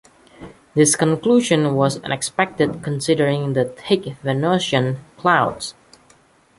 This conclusion was unexpected considering the thick Venusian clouds.